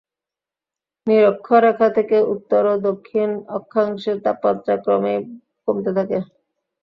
নিরক্ষরেখা থেকে উত্তর ও দক্ষিণ অক্ষাংশে তাপমাত্রা ক্রমেই কমতে থাকে।